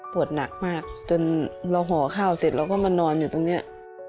หนักมากจนเราห่อข้าวเสร็จเราก็มานอนอยู่ตรงนี้